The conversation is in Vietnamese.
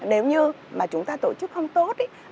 nếu như mà chúng ta tổ chức không tốt